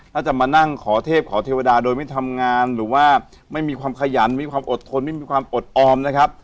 ถ้าจะมานั่งขอเทพขอเทวดาโดยไม่ทำงานหรือว่าไม่มีความขยันมีความอดทนไม่มีความอดออมนะครับ